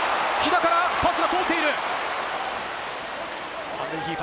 木田からパスが通っている。